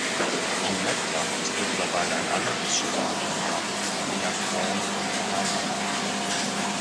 In Mettlach ist mittlerweile ein anderes Schiff mit dem Namen "Maria Croon" beheimatet.